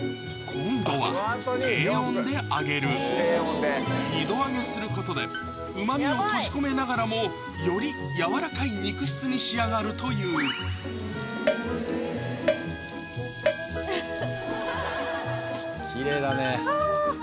今度は低温で揚げる二度揚げすることでうまみを閉じ込めながらもよりやわらかい肉質に仕上がるというきれいだねは！